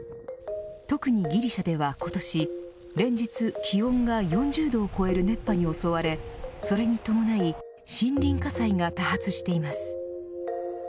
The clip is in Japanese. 特にギリシャでは今年連日気温が４０度を超える熱波に襲われそれに伴い森林火災が多発しています。